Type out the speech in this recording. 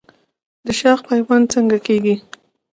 د شاخ پیوند څنګه کیږي؟